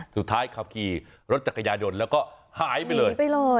สุดท้ายเขาขี่รถจักรยานยนต์แล้วก็หายไปเลย